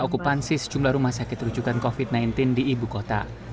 okupansi sejumlah rumah sakit rujukan covid sembilan belas di ibu kota